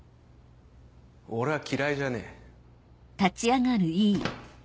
俺は嫌いじゃねえ。